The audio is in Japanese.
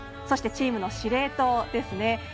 そして、チームの司令塔ですね。